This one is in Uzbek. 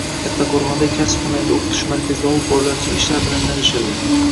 Kattaqo‘rg‘ondagi Kasb-hunarga o‘qitish markazida olib borilayotgan ishlar bilan tanishildi